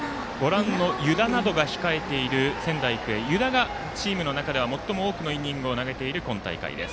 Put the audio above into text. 湯田などが控えている仙台育英、湯田がチームの中では最も多くのイニングを投げている今大会。